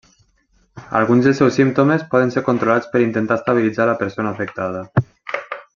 Alguns dels seus símptomes poden ser controlats per intentar estabilitzar la persona afectada.